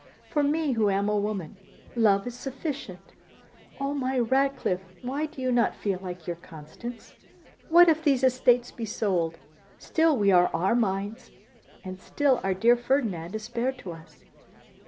For me, who am a woman, love is sufficient. Oh! my Ratcliffe, why do you not feel like your Constance? What if these estates be sold, still we are Armines! and still our dear Ferdinand is spared to us!